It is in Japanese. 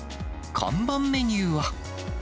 看板メニューは。